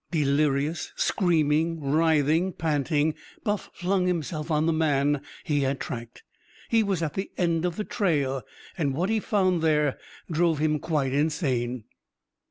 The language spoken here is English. Delirious screaming, writhing, panting Buff flung himself on the man he had tracked. He was at the end of the trail! And what he found there drove him quite insane.